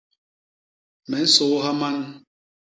Me nsôôha man.